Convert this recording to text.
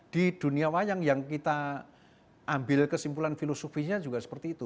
di dunia wayang yang kita ambil kesimpulan filosofinya juga seperti itu